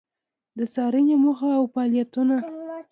د څارنې موخه او فعالیتونه: